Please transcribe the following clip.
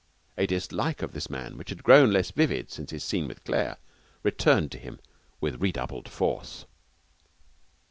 A dislike of this man, which had grown less vivid since his scene with Claire, returned to him with redoubled force.